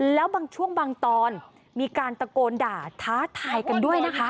แล้วบางช่วงบางตอนมีการตะโกนด่าท้าทายกันด้วยนะคะ